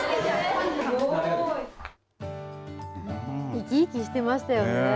生き生きしてましたよね。